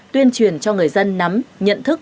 tuyên truyền cho người dân nắm nhận thức